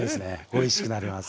おいしくなります。